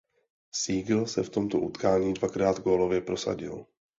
Siegl se v tomto utkání dvakrát gólově prosadil.